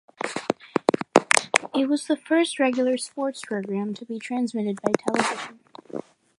It was the first regular sports programme to be transmitted by television.